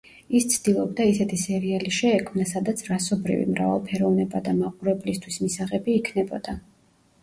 ის ცდილობდა ისეთი სერიალი შეექმნა სადაც რასობრივი მრავალფეროვნება და მაყურებლისთვის მისაღები იქნებოდა.